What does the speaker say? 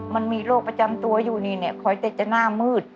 มันมีโรคประจำตัวอยู่นี่เนี่ยคอยแต่จะหน้ามืด